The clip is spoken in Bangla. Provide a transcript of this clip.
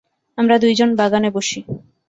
আমরা দুই জন বাগানে বসি।